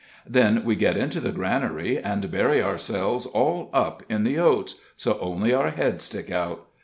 Then we get into the granary, and bury ourselves all up in the oats, so only our heads stick out.